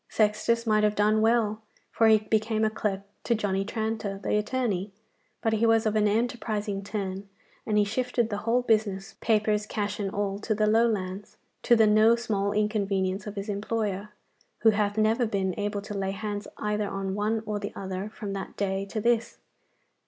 Sextus might have done well, for he became clerk to Johnny Tranter the attorney; but he was of an enterprising turn, and he shifted the whole business, papers, cash, and all to the Lowlands, to the no small inconvenience of his employer, who hath never been able to lay hands either on one or the other from that day to this.